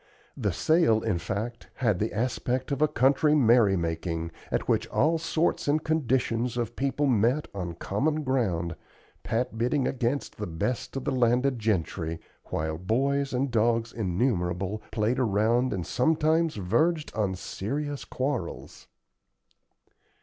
The sale, in fact, had the aspect of a country merrymaking, at which all sorts and conditions of people met on common ground, Pat bidding against the best of the landed gentry, while boys and dogs innumerable played around and sometimes verged on serious quarrels.